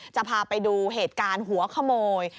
จะพาไปดูเหตุการณ์หัวขโมย